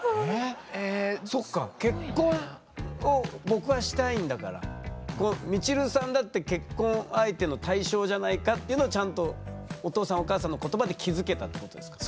そっか「結婚を僕はしたいんだからみちるさんだって結婚相手の対象じゃないか」っていうのはちゃんとお父さんお母さんの言葉で気付けたってことですか？